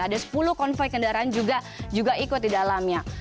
ada sepuluh konvoy kendaraan juga ikut di dalamnya